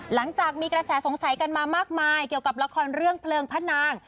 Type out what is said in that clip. หลังจากมีกระแสสงสัยกันมามากมายเกี่ยวกับละครเรื่องเพลิงพระนาง